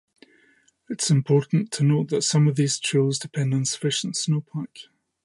It is important to note that some of these trails depend on sufficient snowpack.